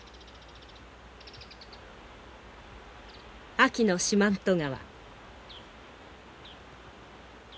秋の四万十川。